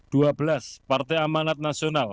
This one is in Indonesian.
dua belas partai amanat nasional